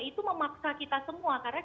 itu memaksa kita semua karena